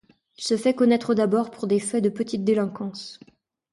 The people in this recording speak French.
Il se fait connaître d'abord pour des faits de petite délinquance.